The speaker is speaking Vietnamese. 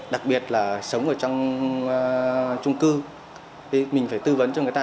đặc biệt là sống ở trong trung cư thì mình phải tư vấn cho người ta